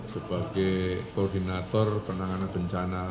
sebagai koordinator penanganan bencana